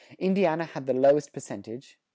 Indiana had the lowest percentage, 20.